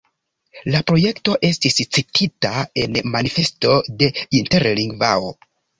La projekto estis citita en Manifesto de Interlingvao.